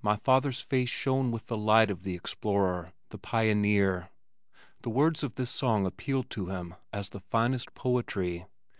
My father's face shone with the light of the explorer, the pioneer. The words of this song appealed to him as the finest poetry.